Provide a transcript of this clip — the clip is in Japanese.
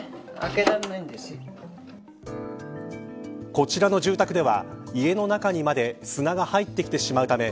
こちらの住宅では家の中にまで砂が入ってきてしまうため